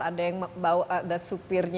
ada yang mau ada supirnya